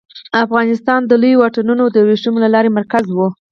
افغانستان د لویو واټونو د ورېښمو لارې مرکز و